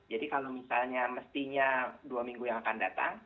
jadi kalau misalnya mestinya dua minggu yang akan naik